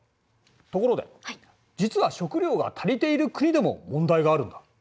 ところで実は食料が足りている国でも問題があるんだ。え？